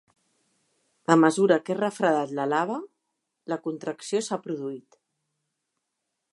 A mesura que es refredat la lava, la contracció s'ha produït.